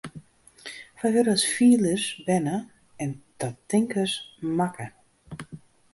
Wy wurde as fielers berne en ta tinkers makke.